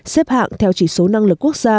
xếp hạng theo chỉ số năng lực quốc gia